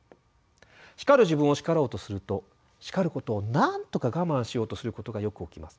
叱る自分を叱ろうとすると叱ることをなんとか我慢しようとすることがよく起きます。